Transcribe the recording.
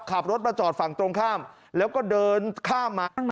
ขับรถมาจอดฝั่งตรงข้ามแล้วก็เดินข้ามมา